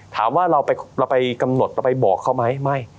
ถามว่าเราไปกำหนดเราไปบอกเขาไหมไม่